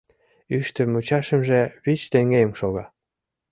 Ӱштӧ мучашемже вич теҥгем шога...